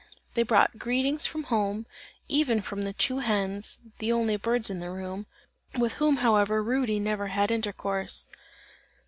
They brought greetings from home, even from the two hens, the only birds in the room; with whom however Rudy never had intercourse.